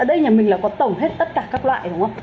ở đây nhà mình là có tổng hết tất cả các loại đúng không